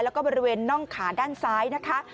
แล้วก็บริเวณน่องขาด้านซ้ายนะคะ